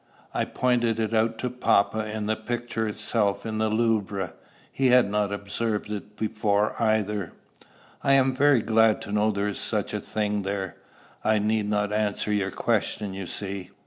"I pointed it out to papa in the picture itself in the Louvre; he had not observed it before either." "I am very glad to know there is such a thing there. I need not answer your question, you see.